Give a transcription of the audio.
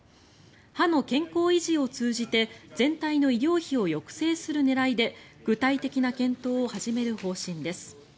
歯の健康維持を通じて全体の医療費を抑制する狙いで具体的な検討を始める方針です。